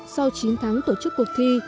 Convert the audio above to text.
sau chín tháng tổ chức cuộc thi